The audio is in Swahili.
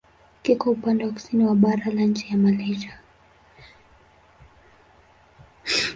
Kiko upande wa kusini wa bara la nchi ya Malaysia.